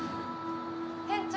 店長！